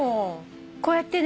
こうやってね